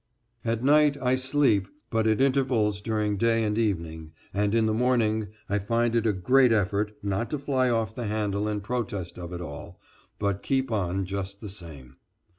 At night I sleep, but at intervals during day and evening, and in the morning I find it a great effort not to fly off the handle in protest of it all, but keep on just the same.